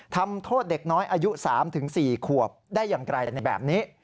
ทำโทษเด็กน้อยอายุ๓๔ขวบได้อย่างไกลในแบบนี้